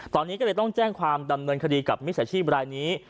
ตอนนี้ก็เลยต้องแจ้งความดำเนินคดีกับมิจฉาชีพรายนี้